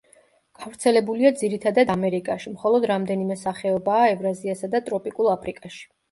გავრცელებულია ძირითადად ამერიკაში, მხოლოდ რამდენიმე სახეობაა ევრაზიასა და ტროპიკულ აფრიკაში.